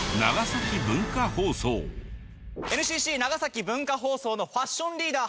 ＮＣＣ長崎文化放送のファッションリーダー